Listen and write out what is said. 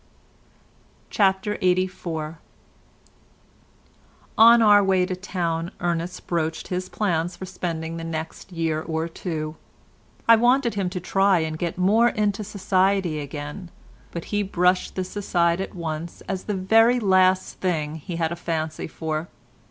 CHAPTER LXXXIV On our way to town Ernest broached his plans for spending the next year or two. I wanted him to try and get more into society again, but he brushed this aside at once as the very last thing he had a fancy for.